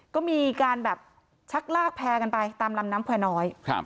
ก็มีการแบบชักลากแพร่กันไปตามลำน้ำแควร์น้อย